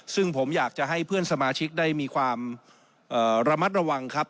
ซึ่งผมอยากจะให้เพื่อนสมาชิกได้มีความระมัดระวังครับ